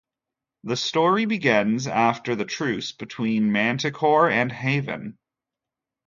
The story begins after the truce between Manticore and Haven.